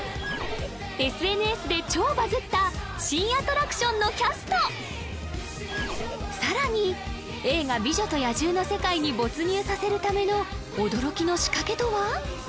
ＳＮＳで超バズった新アトラクションのキャストさらに映画「美女と野獣」の世界に没入させるための驚きの仕掛けとは！？